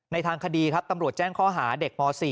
ทางคดีครับตำรวจแจ้งข้อหาเด็กม๔